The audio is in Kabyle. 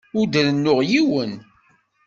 Ur d-rennuɣ yiwen.